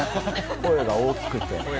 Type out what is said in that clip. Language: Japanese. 声が大きくて。